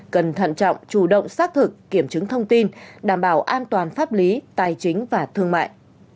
cần thận trọng chủ động xác thực kiểm chứng thông tin đảm bảo an toàn pháp lý tài chính và thương mại